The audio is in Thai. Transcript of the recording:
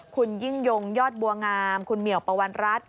คุณยิ่งยงยอดบัวงามคุณเหมียวปวรรณรัฐ